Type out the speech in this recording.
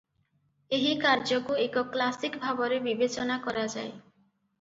ଏହି କାର୍ଯ୍ୟକୁ ଏକ କ୍ଲାସିକ ଭାବରେ ବିବେଚନା କରାଯାଏ ।